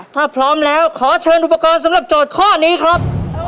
ถ้าพร้อมแล้วขอเชิญอุปกรณ์สำหรับโจทย์ข้อนี้ครับ